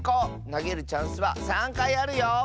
なげるチャンスは３かいあるよ！